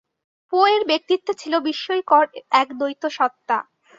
পো-এর ব্যক্তিত্বে ছিল বিস্ময়কর এক দ্বৈতসত্তা।